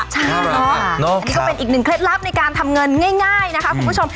ใช่อันนี้ก็เป็นอีกหนึ่งเคล็ดลับในการทำเงินง่ายนะคะคุณผู้ชม